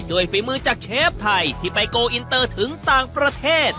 ฝีมือจากเชฟไทยที่ไปโกลอินเตอร์ถึงต่างประเทศ